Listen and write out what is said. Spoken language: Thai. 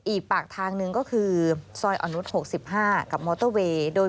อีกปากทางนึงก็คือซอยออนุท๖๔กับมอเตอร์เวย์